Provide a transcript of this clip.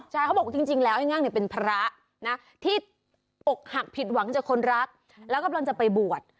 ใช่เขาบอกว่าจริงแล้วไอ้งั่งเนี่ยเป็นพระนะที่อกหักผิดหวังจากคนรักแล้วกำลังจะไปบวช